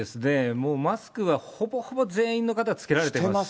もうマスクはほぼほぼ全員の方が着けられています。